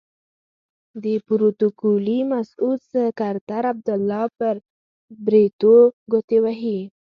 د پروتوکولي مسعود سکرتر عبدالله په بریتو ګوتې وهي.